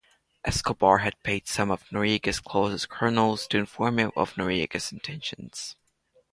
Escobar had paid some of Noriega's closest colonels to inform him of Noriega's intentions.